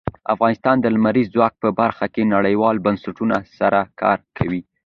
افغانستان د لمریز ځواک په برخه کې نړیوالو بنسټونو سره کار کوي.